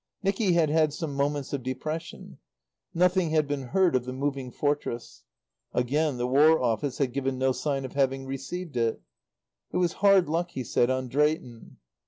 Nicky had had some moments of depression. Nothing had been heard of the Moving Fortress. Again, the War Office had given no sign of having received it. It was hard luck, he said, on Drayton.